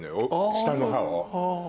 下の歯を。